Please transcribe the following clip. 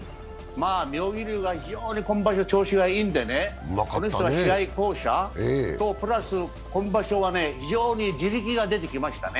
妙義龍が非常に今場所調子がいいので、この人は試合巧者、プラス今場所は非常に自力が出てきましたね。